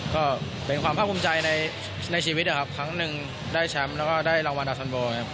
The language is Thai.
ก็เป็นความพร่อมคุ้มใจในชีวิตครับครั้งนึงได้แชมป์แล้วก็ได้รางวัลอสันโบ